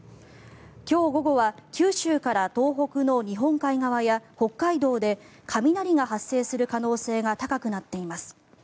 今日午後は九州から東北の日本海側や北海道で雷が発生する可能性が高くなっています。